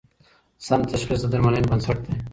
سم تشخیص د درملنې بنسټ دی.